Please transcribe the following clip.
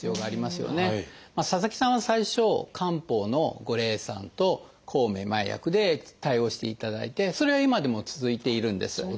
佐々木さんは最初漢方の五苓散と抗めまい薬で対応していただいてそれは今でも続いているんです。